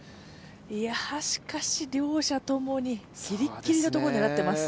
いや、しかし両者ともにギリギリのところ狙ってます。